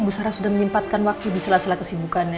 bu sara sudah menyimpatkan waktu di sela sela kesibukannya